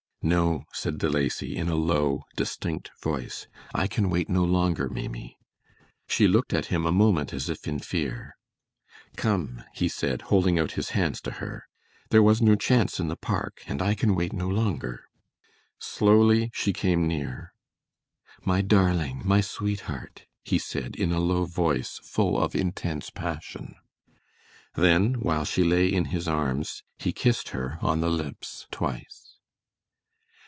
"No," said De Lacy, in a low, distinct voice. "I can wait no longer, Maimie." She looked at him a moment as if in fear. "Come," he said, holding out his hands to her. "There was no chance in the park, and I can wait no longer." Slowly she came near. "My darling, my sweetheart," he said, in a low voice full of intense passion. Then, while she lay in his arms, he kissed her on the lips twice.